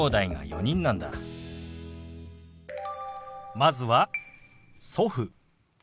まずは「祖父」。